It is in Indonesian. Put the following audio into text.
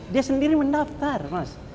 dia sendiri mendaftar mas